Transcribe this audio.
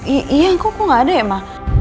iya kok gak ada ya mak